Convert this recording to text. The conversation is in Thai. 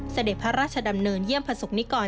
เสด็จพระราชดำเนินเยี่ยมประสบนิกร